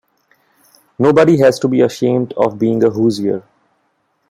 Nobody has to be ashamed of being a Hoosier.